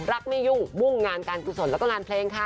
ไม่ยุ่งมุ่งงานการกุศลแล้วก็งานเพลงค่ะ